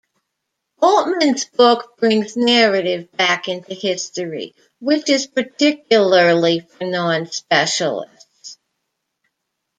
Altman's book brings narrative back into history, which is particularly for non-specialists.